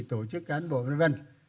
tổ chức cán bộ v v